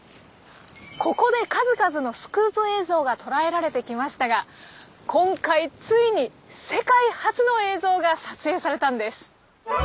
ここで数々のスクープ映像がとらえられてきましたが今回ついに世界初の映像が撮影されたんです！